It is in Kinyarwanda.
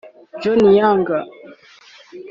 John Young